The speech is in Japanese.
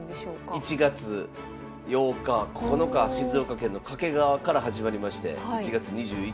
１月８日９日静岡県の掛川から始まりまして１月２１